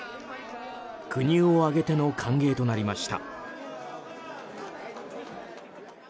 国を挙げての歓迎となりました。